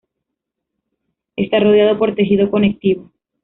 Está rodeado por tejido conectivo.